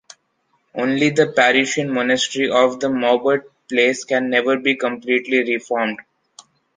Only the Parisian monastery of the Maubert place can never be completely reformed.